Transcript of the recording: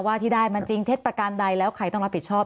ที่ได้มันจริงเท็จประการใดแล้วใครต้องรับผิดชอบ